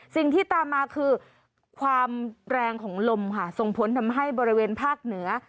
สิ่งที่ตามมาคือความแรงของลมค่ะส่งผลทำให้บริเวณภาคเหนือ